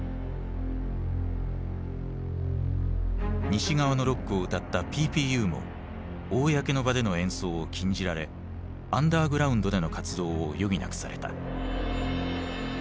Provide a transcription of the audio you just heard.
西側のロックを歌ったＰＰＵも公の場での演奏を禁じられアンダーグラウンドでの活動を余儀なくされた。